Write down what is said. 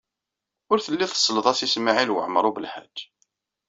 Ur tellid tselled-as i Smawil Waɛmaṛ U Belḥaǧ.